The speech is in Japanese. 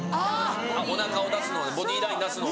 おなかを出すのボディーライン出すのね。